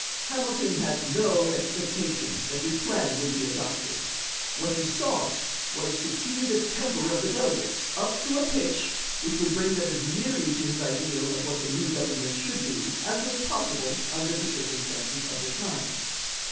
Hamilton had no expectation that his plan would be adopted. What he sought was to key the temper of the delegates up to a pitch which would bring them as nearly to his ideal of what the new government should be as was possible under the circumstances of the times.